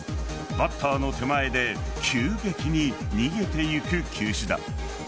バッターの手前で急激に逃げてゆく球種だ。